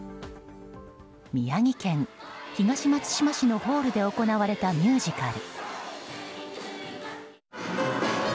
宮城県東松島市のホールで行われたミュージカル。